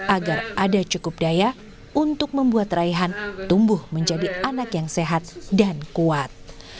agar ada cukup daya untuk membuat raihan tumbuh menjadi anak yang sehat dan kuat